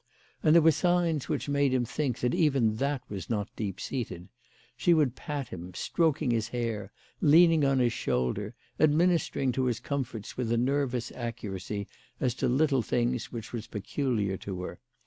And there were signs which made him think that even that was not deep seated. She would pat him, stroking his hair, and leaning on his shoulder, administering to his comforts with a nervous accuracy as to little things which was peculiar to her.